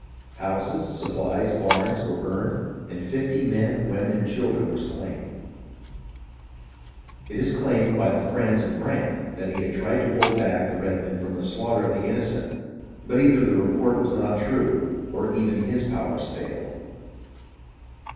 Houses, supplies, barns were burned, and fifty men, women, and children were slain. It is claimed by the friends of Brant that he tried to hold back the redmen from the slaughter of the innocent, but either the report was not true or even his powers failed.